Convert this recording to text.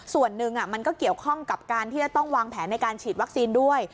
ส่วนหนึ่งมันก็เกี่ยวข้องกับการที่จะต้องวางแผนในการฉีดวัคซีนด้วย